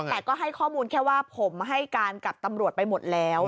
แต่ก็ให้ข้อมูลแค่ว่าผมให้การกับตำรวจไปหมดแล้ว